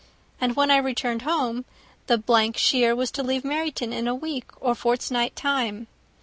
And when I returned home the shire was to leave Meryton in a week or fortnight's time.